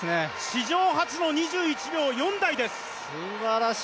史上初の２１秒４台です。